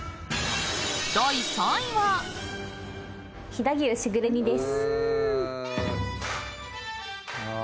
飛騨牛しぐれ煮です。